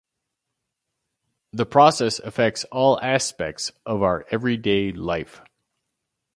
The process affects all aspects of our everyday life.